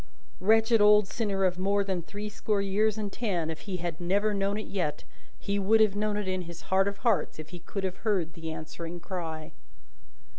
Wretched old sinner of more than threescore years and ten, if he had never known it yet, he would have known it in his heart of hearts if he could have heard the answering cry.